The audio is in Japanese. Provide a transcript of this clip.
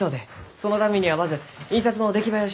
そのためにはまず印刷の出来栄えを知りとうて。